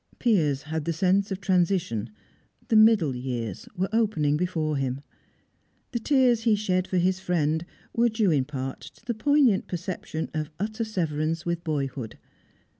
Piers had the sense of transition; the middle years were opening before him. The tears he shed for his friend were due in part to the poignant perception of utter severance with boyhood.